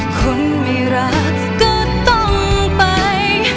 คนไม่รักก็ต้องไป